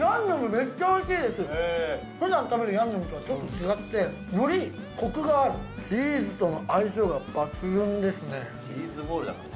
めっちゃおいしいですふだん食べるヤンニョムとはちょっと違ってよりコクがあるチーズとの相性が抜群ですねチーズボールだからね